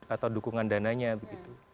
atau dukungan dananya begitu